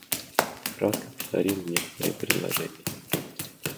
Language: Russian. Кратко повторим некоторые положения.